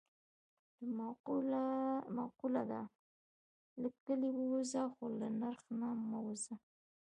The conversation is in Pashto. معقوله ده: له کلي ووځه خو له نرخ نه مه وځه.